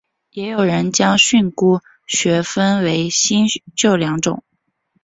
也有人将训诂学分为新旧两种。